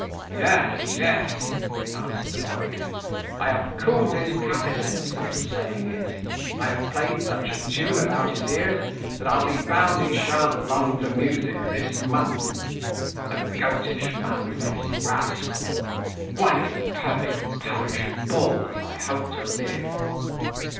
"Yes, yes," answered the publican, "I have cooled his capissens, as the saying is: I have played such a tune about his ears, that I'll be bound he shan't long for music this month. A goatish, man faced rascal! Why, he's a perfect parish bull, as I hope to live."